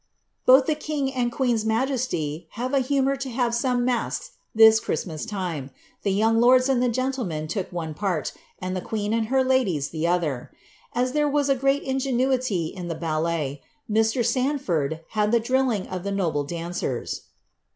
"Both the king and the queen's majesty have a humour lo haie some masques this Clirislnias time; the young lords and the gentleuif:^ look one part, and the queen and her ladies the other. As "there na^ great ingenuity in the ballet, Mr. Sanford had the dtilling of the nt'!>je dancers."